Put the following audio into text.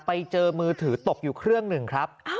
ไปเจอมือถือตกอยู่เครื่องหนึ่งครับ